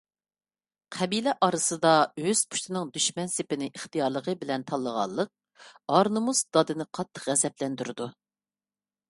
قەبىلە ئارىسىدا ئۆز پۇشتىنىڭ دۈشمەن سېپىنى ئىختىيارلىقى بىلەن تاللىغانلىق ئار - نومۇس دادىنى قاتتىق غەزەپلەندۈرىدۇ.